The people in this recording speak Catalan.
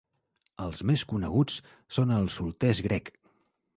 Els més coneguts són els solters Greg!